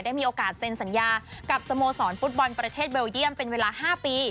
มีโอกาสเซ็นสัญญากับสโมสรฟุตบอลประเทศเบลเยี่ยมเป็นเวลา๕ปี